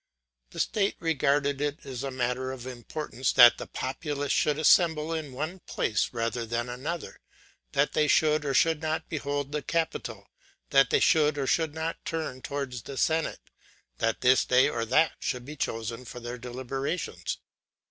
The state regarded it as a matter of importance that the populace should assemble in one place rather than another, that they should or should not behold the Capitol, that they should or should not turn towards the Senate, that this day or that should be chosen for their deliberations.